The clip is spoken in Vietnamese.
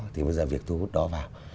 thì bây giờ việc thu hút đó vào